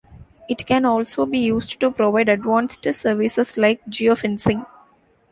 It can also be used to provide advanced services like Geo-fencing.